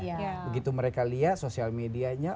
begitu mereka lihat sosial media nya